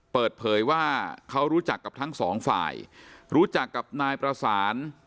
เปิดเผยว่าเขารู้จักกับทั้งสองฝ่ายรู้จักกับนายประสาน